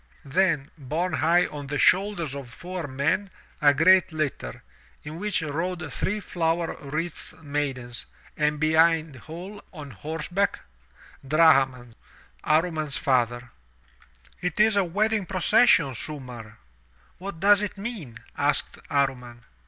Then, bome high on the shoulders of four men, a great litter, in which rode three flower wreathed maidens, and behind all, on horseback — Drahman, Amman's father. 197 M Y BOOK HOUSE "It is a wedding procession, Sumarr! What does it mean?" asked Amman.